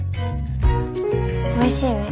おいしいね。